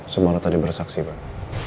sumarno tadi bersaksi bang